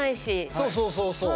そうそうそうそう。